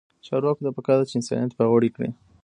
چارواکو ته پکار ده چې، انسانیت پیاوړی کړي.